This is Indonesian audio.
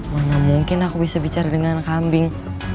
mana mungkin aku bisa bicara dengan kambing